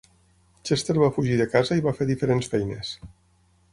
Chester va fugir de casa i va fer diferents feines.